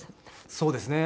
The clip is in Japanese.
そうですね。